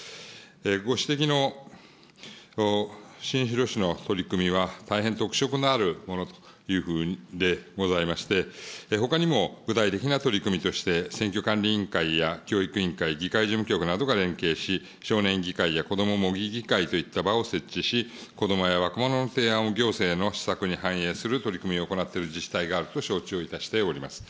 ご指摘の新城市の取り組みは、大変特色のあるものでございまして、ほかにも具体的な取り組みとして、選挙管理委員会や教育委員会、議会事務局などが連携し、少年議会や子ども模擬議会といった場を設置し、子どもや若者の提案を行政の施策に反映する取り組みを行っている自治体があると承知をいたしております。